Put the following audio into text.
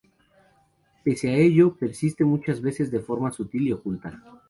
Pese a ello, persiste muchas veces de forma sutil y oculta.